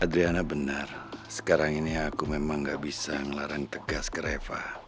adriana benar sekarang ini aku memang gak bisa ngelarang tegas ke reva